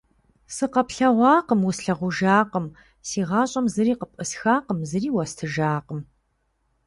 Сыкъэплъэгъуакъым, услъагъужакъым, си гъащӀэм зыри къыпӀысхакъым, зыри уэстыжакъым.